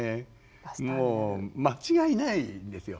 もう間違いないんですよ。